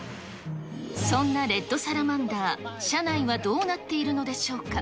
そんなレッドサラマンダー、車内はどうなっているのでしょうか。